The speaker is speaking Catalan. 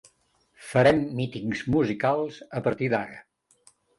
Farem mítings musicals a partir d’ara.